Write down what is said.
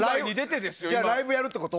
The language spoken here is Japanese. ライブやるってこと？